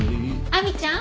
亜美ちゃん。